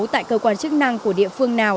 tại cơ quan chức năng của địa phương nào